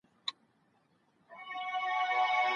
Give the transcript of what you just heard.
سياستوالو پوهه ترلاسه کړه چي د ولس ملاتړ د واک بنسټ دی.